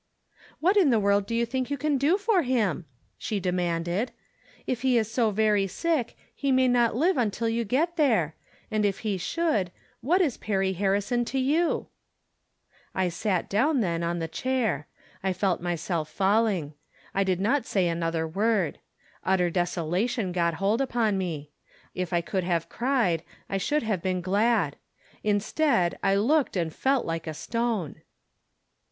" "What in tlie world do you think you can do for him ?" she demanded. " If he is so very sick, he may not live until you get there ; and if he should, what is Perry Harrison to you ?" I sat down, then, on the chair. I felt myself falling. I did not say another word. Utter des olation got hold upon me. If I could have cried, I should have been glad ; instead, I looked and felt like a stone.